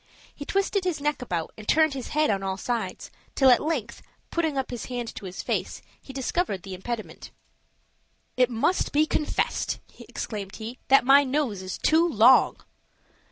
He twisted his neck about, and turned his head on all sides, till at length, putting up his hand to his face, he discovered the impediment. "It must be confessed," exclaimed he, "that my nose is too long."